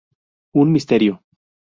Un misterio.